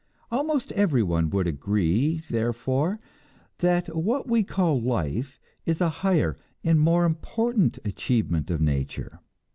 Almost everyone would agree, therefore, that what we call "life" is a higher and more important achievement of nature.